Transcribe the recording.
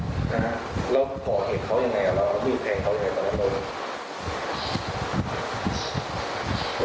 อารมณ์ชั่วโบวิวผ่านไปค่ะ